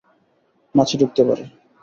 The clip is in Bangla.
মাছি ঢুকতে পারে!